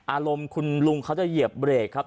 อารมณ์คุณลุงเขาจะเหยียบเบรกครับ